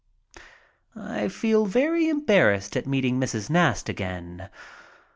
I feel very embarrassed at meeting Mrs. Nast again.